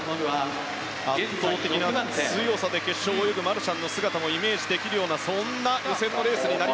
圧倒的な強さで決勝を泳ぐマルシャンの姿をイメージできるようなそんな予選のレースです。